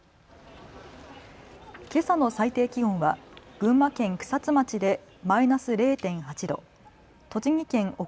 けさの最低気温は群馬県草津町でマイナス０．８度、栃木県奥